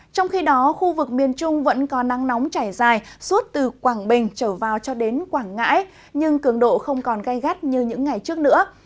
trong khi đó khu vực miền trung vẫn có nắng nóng chảy dài suốt từ quảng bình trở vào cho đến quảng ngãi nhưng cường độ không còn gai gắt như những ngày trước nữa